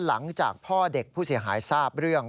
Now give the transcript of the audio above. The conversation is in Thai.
หลังจากพ่อเด็กผู้เสียหายทราบเรื่อง